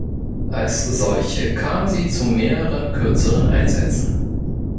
Als solche kam sie zu mehreren kürzeren Einsätzen.